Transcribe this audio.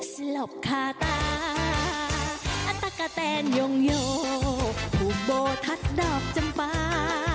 สลบคาตาอัตกะแตนยงโยอุโบทัศดอกจำปา